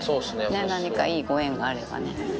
何かいいご縁があればね。